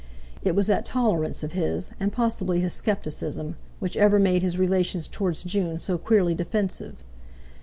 It was that tolerance of his, and possibly his scepticism, which ever made his relations towards June so queerly defensive.